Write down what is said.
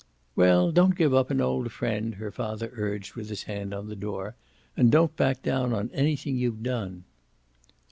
"Well, don't give up an old friend," her father urged with his hand on the door. "And don't back down on anything you've done."